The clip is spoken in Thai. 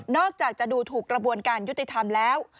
อกจากจะดูถูกกระบวนการยุติธรรมแล้ว